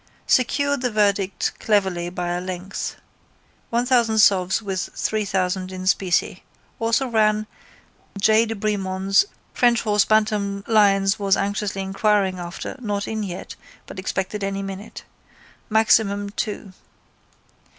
Secured the verdict cleverly by a length. 1000 sovs with 3000 in specie. Also ran: J de Bremond's (French horse Bantam Lyons was anxiously inquiring after not in yet but expected any minute) Maximum II.